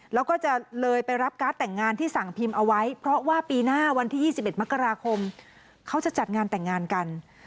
แล้วก็จะเลยไปรับการ์ดแต่งงานที่สั่งพิมพ์เอาไว้เพราะว่าปีหน้าวันที่๒๑มกราคมเขาจะจัดงานแต่งงานกัน